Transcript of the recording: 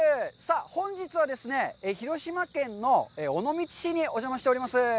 本日はですね、広島県の尾道市にお邪魔しております。